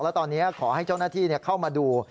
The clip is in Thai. แล้วตอนนี้ขอให้เจ้าหน้าที่เข้ามาดู